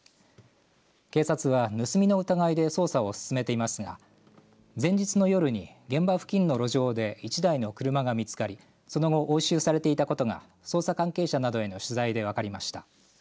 警察は盗みの疑いで捜査を進めていますが前日の夜に、現場付近の路上で１台の車が見つかりその後、押収されていたことが捜査関係者などへの取材で分かりました。